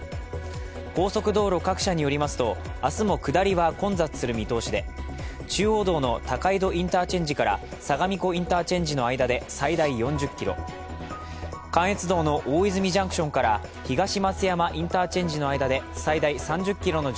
高速道路各社によりますと明日は下りも混雑する予報で中央道の高井戸インターチェンジから相模湖インターチェンジの間で最大４０ｋｍ、関越道の大泉ジャンクションからプシュ！